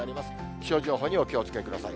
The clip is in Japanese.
気象情報にお気をつけください。